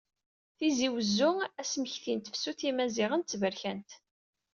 Tizi Uzzu Asmekti s tefsut n yimaziɣen d tberkant.